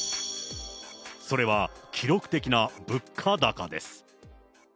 それは記録的な物価高です。